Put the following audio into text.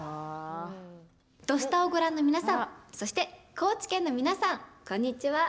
土スタをご覧の皆さんそして高知県の皆さんこんにちは。